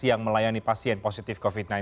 yang melayani pasien positif covid sembilan belas